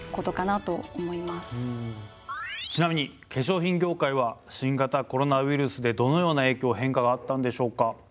ちなみに化粧品業界は新型コロナウイルスでどのような影響・変化があったんでしょうか？